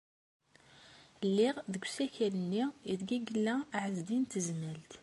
Lliɣ deg usakal-nni aydeg yella Ɛezdin n Tezmalt.